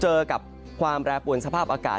เจอกับแรปุ่นสภาพอากาศ